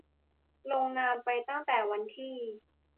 ลงนามไปตั้งแต่วันที่